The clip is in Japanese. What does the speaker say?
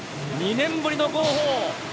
２年ぶりの号砲。